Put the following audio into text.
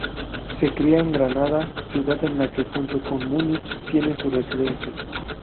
Se cría en Granada, ciudad en la que junto con Múnich tiene su residencia.